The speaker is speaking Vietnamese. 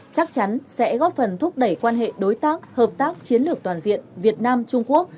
chắc chắn sẽ góp phần thúc đẩy quan hệ đối tác hợp tác chiến lược toàn diện việt nam trung quốc